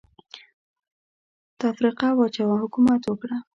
تفرقه واچوه ، حکومت وکړه.